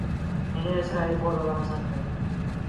انہیں اسرائیل بہت زیادہ پسند ہے